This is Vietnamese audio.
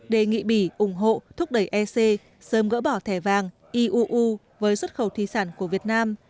đề nghị bỉ ủng hộ thúc đẩy ec sớm gỡ bỏ thẻ vàng iuu với xuất khẩu thi sản của việt nam